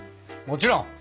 もちろん！